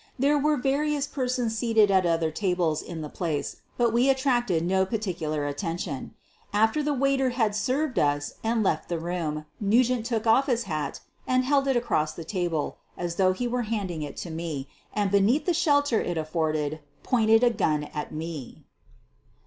There were various persons seated at other tables in the place, but we attracted no particular atten QUEEN OF THE BURGLAKS 253 tion. After tlie waiter had served us and left the room, Nugent took off his hat, held it across the table as though he were handing it to me, and be neath the shelter it afforded pointed a gun at me.